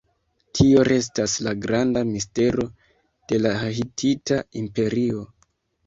Tio restas la granda mistero de la Hitita Imperio.